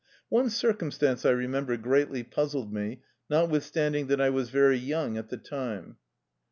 One circumstance, I remember, greatly puz zled me, notwithstanding that I was very young at the time.